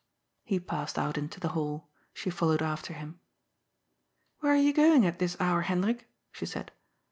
He passed out into the hall. She followed after him. "Where are you going at this hour, Hendrik?" she said.